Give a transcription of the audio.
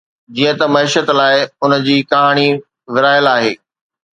جيئن ته معيشت لاء، ان جي ڪهاڻي ورهايل آهي.